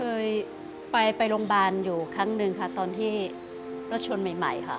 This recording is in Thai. เคยไปโรงพยาบาลอยู่ครั้งหนึ่งค่ะตอนที่รถชนใหม่ใหม่ค่ะ